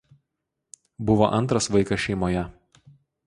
Buvo antras vaikas šeimoje.